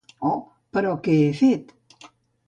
Oh, però què he fet?